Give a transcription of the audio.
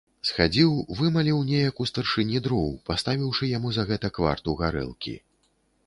Схадзіў, вымаліў неяк у старшыні дроў, паставіўшы яму за гэта кварту гарэлкі.